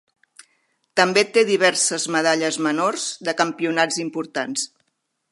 També té diverses medalles menors de campionats importants.